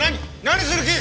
何する気？